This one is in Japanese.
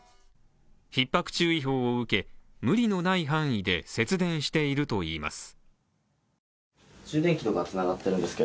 ひっ迫注意報を受け、無理のない範囲で節電しているといいます。